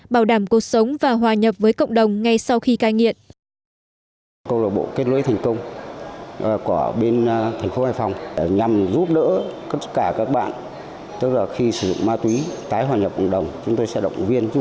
bảo đảm cuộc sống và hòa nhập với cộng đồng ngay sau khi cai nghiện